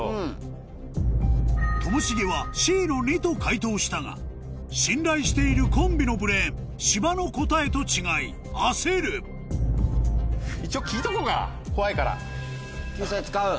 ともしげはＣの「２」と解答したが信頼しているコンビのブレーン芝の答えと違い焦る救済使う？